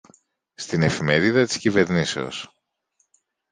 στην Εφημερίδα της Κυβερνήσεως